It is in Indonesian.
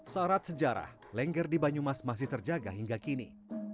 sarat sejarah lengger di banyumas masih terjaga hingga kini